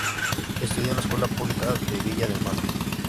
Estudió en la Escuela Pública en Viña del Mar.